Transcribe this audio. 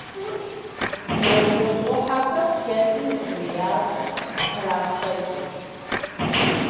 Мэлыхъуэхьэхэр чэтым и хъуреягъкӀэ кърапхэкӀырт.